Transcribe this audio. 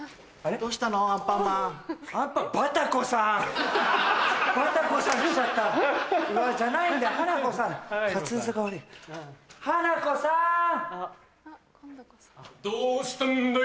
どうしたんだい？